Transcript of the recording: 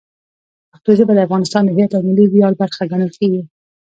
پښتو ژبه د افغانستان د هویت او ملي ویاړ برخه ګڼل کېږي.